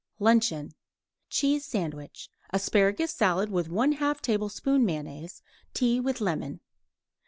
LUNCHEON Cheese sandwich; asparagus salad with 1/2 tablespoon mayonnaise; tea with lemon.